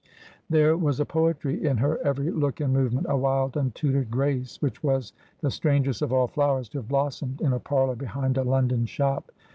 There was a poetry in her every look and movement, a wild untutored grace, which was the strangest of all flowers to have blossomed in a parlour behind a London shop.